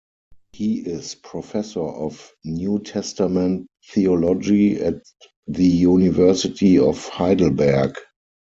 He is Professor of New Testament Theology at the University of Heidelberg.